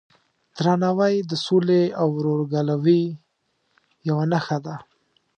درناوی د سولې او ورورګلوۍ یوه نښه ده.